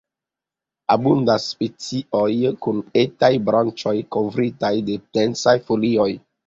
Abundas specioj kun etaj branĉoj kovritaj de densaj folioj.